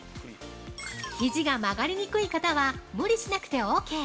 ◆ひじが曲がりにくい方は無理しなくてＯＫ。